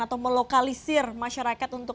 atau melokalisir masyarakat untuk